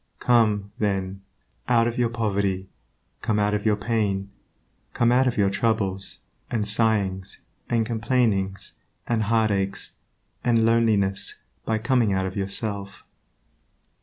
Come, then, out of your poverty; come out of your pain; come out of your troubles, and sighings, and complainings, and heartaches, and loneliness by coming out of yourself.